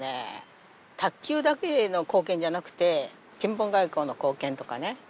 卓球だけの貢献じゃなくてピンポン外交の貢献とかね